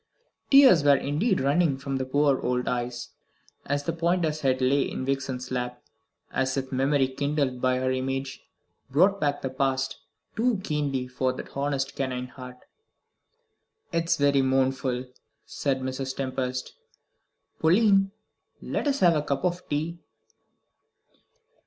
Tears were indeed running from the poor old eyes, as the pointer's head lay in Vixen's lap; as if memory, kindled by her image, brought back the past too keenly for that honest canine heart. "It is very mournful," said Mrs. Tempest. "Pauline, let us have a cup of tea."